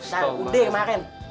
sarung udah kemaren